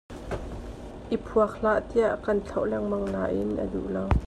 I phuak hlah tiah kan thlauh lengmang nain a duh lo.